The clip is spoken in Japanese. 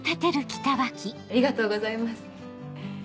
ありがとうございます。